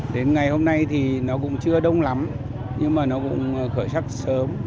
đến ngày hôm nay thì nó cũng chưa đông lắm nhưng mà nó cũng khởi sắc sớm